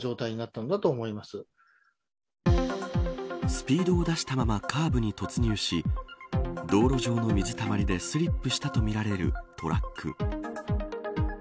スピードを出したままカーブに突入し道路上の水たまりでスリップしたとみられるトラック。